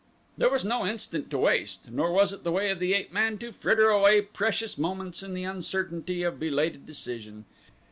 There was no instant to waste, nor was it the way of the ape man to fritter away precious moments in the uncertainty of belated decision.